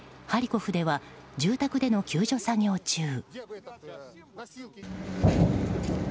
ハリコフでは住宅での救助作業中。